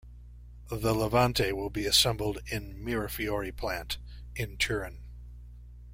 The Levante will be assembled in Mirafiori Plant, in Turin.